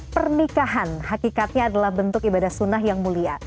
pernikahan hakikatnya adalah bentuk ibadah sunnah yang mulia